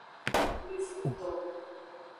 Wivonton.